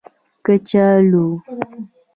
🥔 کچالو